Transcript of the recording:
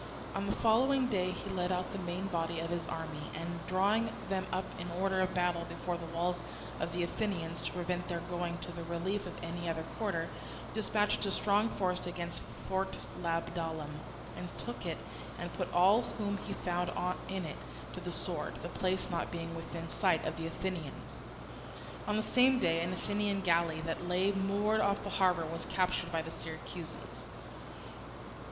On the following day he led out the main body of his army, and, drawing them up in order of battle before the walls of the Athenians to prevent their going to the relief of any other quarter, dispatched a strong force against Fort Labdalum, and took it, and put all whom he found in it to the sword, the place not being within sight of the Athenians. On the same day an Athenian galley that lay moored off the harbour was captured by the Syracusans.